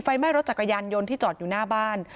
ไฟไหม้รถจักรยานยนต์ที่จอดอยู่หน้าบ้าน